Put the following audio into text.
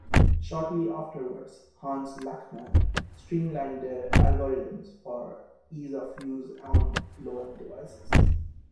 Shortly afterwards, Hans Lachman streamlined their algorithm for ease of use on low-end devices.